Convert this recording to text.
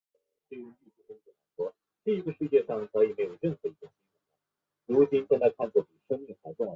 另类舞曲或独立舞曲是一种将各种摇滚风格与电子舞曲相混合的音乐风格。